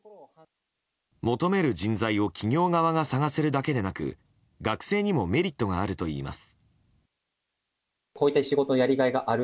求める人材を企業側が探せるだけでなく学生にもメリットがあるといいます。